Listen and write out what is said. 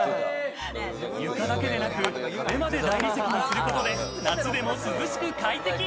床だけでなく、壁まで大理石にすることで、夏でも涼しく快適。